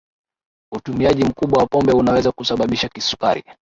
utumiaji mkubwa wa pombe unaweza kusababisha kisukari